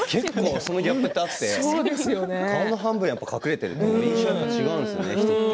そのギャップが結構あって顔の半分が隠れていると印象が違うんですよね。